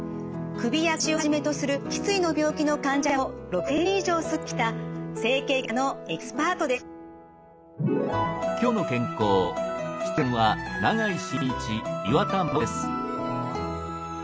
首や腰をはじめとする脊椎の病気の患者を６，０００人以上救ってきた整形外科のエキスパートです。